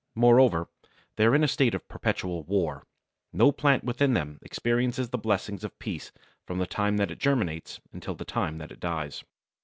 Moreover, they are in a state of perpetual war! No plant within them experiences the blessings of peace from the time it germinates until the day that it dies.